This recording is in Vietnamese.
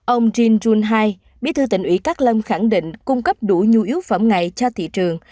ông jin junhai bí thư tỉnh ủy cát lâm khẳng định cung cấp đủ nhu yếu phẩm ngại cho thị trường